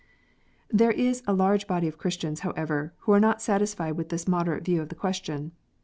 There is a large body of Christians, however, who are not satisfied with this moderate view of the question.